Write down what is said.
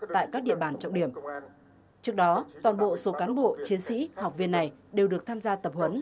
tại các địa bàn trọng điểm trước đó toàn bộ số cán bộ chiến sĩ học viên này đều được tham gia tập huấn